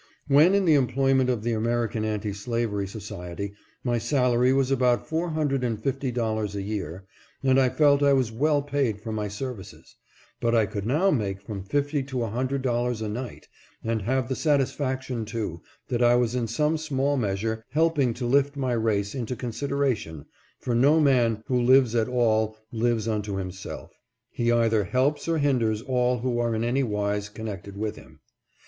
When in the employ ment of the American Anti Slavery Society my salary was about four hundred and fifty dollars a year, and I felt I was well paid for my services ; but I could now make from fifty to a hundred dollars a night, and have the sat isfaction, too, that I was in some small measure helping to lift my race into consideration, for no man who lives at 458 THE NEGRO YET NEEDS AN ANVOCATE. all lives unto himself — he either helps or hinders all who are in any wise connected with him.